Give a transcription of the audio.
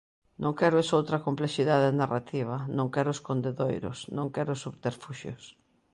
Non quero esoutra complexidade narrativa, non quero escondedoiros, non quero subterfuxios.